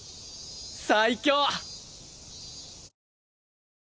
最強！